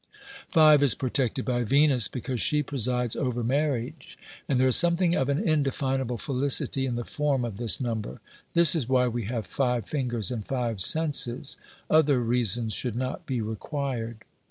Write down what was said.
Five is protected by Venus, because she presides over marriage, and there is something of an indefinable felicity in the form of this number. This is why we have five fingers and five senses. Other reasons should not be required.